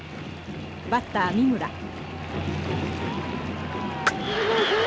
バッター三村。